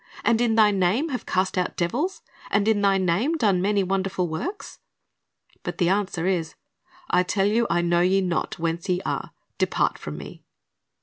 and in Thy name have cast out devils ? and in Thy name done many wonderful works?" But the answer is, 'T tell you, I know you not whence ye are; depart from Me.''